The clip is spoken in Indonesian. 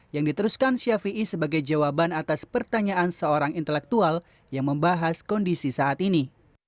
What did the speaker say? yang diteruskan syafi'i sebagai jawaban atas pertanyaan seorang intelektual yang membahas kondisi saat ini